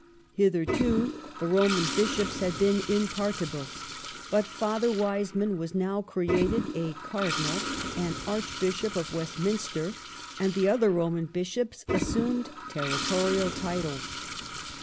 Hitherto the Roman Bishops had been in partihus, but Father Wiseman was now created a Cardinal and Archbishop of Westminster, and the other Roman Bishops assumed territorial titles.